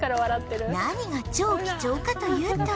何が超貴重かというと